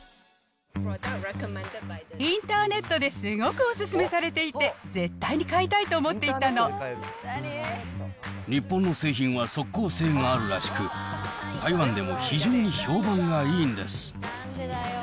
インターネットですごくお勧めされていて、絶対に買いたいと日本の製品は即効性があるらしく、台湾でも非常に評判がいいんです。